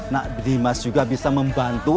nak dimas juga bisa membantu